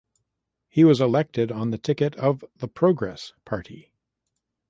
He was elected on the ticket of the Progress Party.